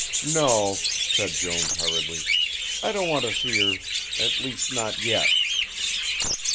"No," said Jones, hurriedly. "I don't want to see her at least, not yet."